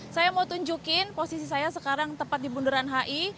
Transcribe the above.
saya mau tunjukin posisi saya sekarang tepat di bundaran hi